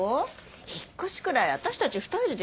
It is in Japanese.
引っ越しくらい私たち２人でできるのに。